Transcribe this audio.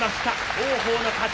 王鵬の勝ち。